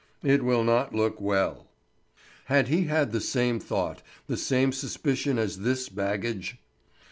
"It will not look well." Had he had the same thought, the same suspicion as this baggage?